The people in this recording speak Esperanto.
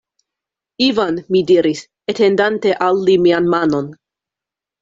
Ivan, mi diris, etendante al li mian manon.